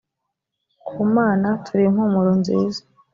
ku mana turi impumuro nziza